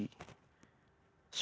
saya harus melampaui begitu banyak fase